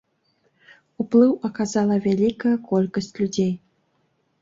Уплыў аказала вялікая колькасць людзей.